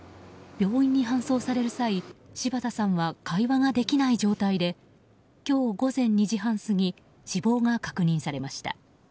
病院に搬送される際柴田さんは会話ができない状態で今日午前２時半過ぎ死亡が確認されました。